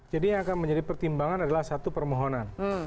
jadi yang akan menjadi pertimbangan adalah satu permohonan